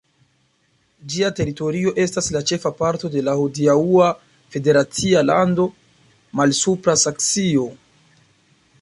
Ĝia teritorio estas la ĉefa parto de la hodiaŭa federacia lando Malsupra Saksio.